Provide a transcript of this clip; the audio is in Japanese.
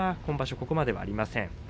ここまではありません。